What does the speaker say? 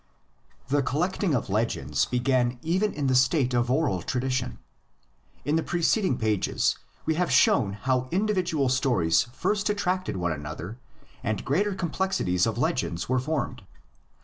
THE collecting of legends began even in the state of oral tradition. In the preceding pages (see p. 79 ff.) we have shown how individual stories first attracted one another and greater complexes of leg ends were formed.